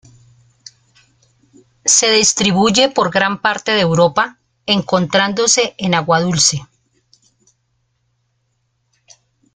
Se distribuye por gran parte de Europa, encontrándose en agua dulce.